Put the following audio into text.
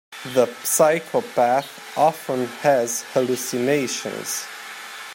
The psychopath often has hallucinations.